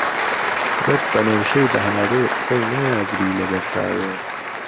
وهک بهنهوشهی بههارێ خۆی ناگری له بهر تاوێ